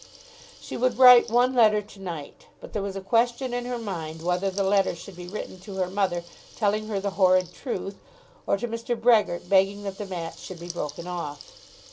She would write one letter to night; but there was a question in her mind whether the letter should be written to her mother telling her the horrid truth, or to Mr. Brehgert begging that the match should be broken off.